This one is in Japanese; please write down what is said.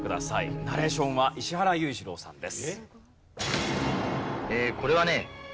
ナレーションは石原裕次郎さんです。